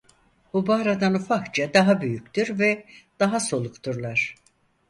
Hubaradan ufakça daha büyüktür ve daha solukturlar.